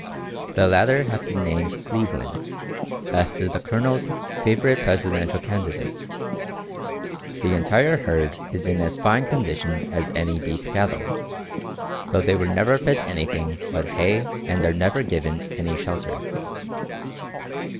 The latter has been named Cleveland, after the colonel's favorite Presidential candidate. The entire herd is in as fine condition as any beef cattle, though they were never fed anything but hay and are never given any shelter.